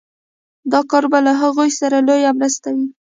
دا کار به له هغوی سره لويه مرسته وي